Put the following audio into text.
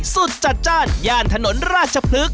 สุดจัดจ้านย่านถนนราชภึก